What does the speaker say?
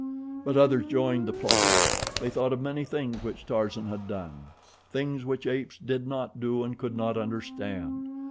But others joined the plotters. They thought of many things which Tarzan had done things which apes did not do and could not understand.